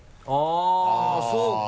あっそうか！